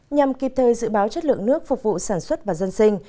nhằm kịp thời dự báo chất lượng nước phục vụ sản xuất và dân sinh